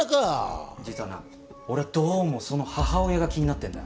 実はな俺はどうもその母親が気になってんだ。